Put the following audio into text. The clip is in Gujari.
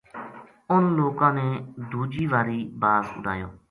اُنھ لوکاں نے دوجی واری باز اُڈایو